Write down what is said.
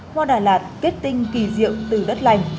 hoa đà lạt kết tinh kỳ diệu từ đất lành